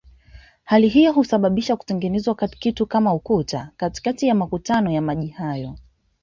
Hali hiyo husababisha kutengenezwa kitu kama ukuta katikati ya makutano ya maji hayo